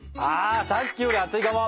さっきより熱いかも！